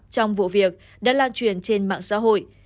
trong vụ việc đã lan truyền trên mạng xã hội